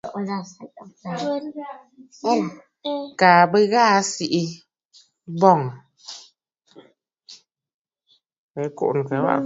Kaa bì ghàʼà sɨ̀ bɔŋə̀.